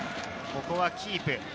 ここはキープ。